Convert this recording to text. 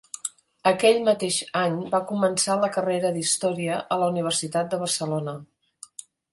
Aquell mateix any va començar la carrera d'història a la Universitat de Barcelona.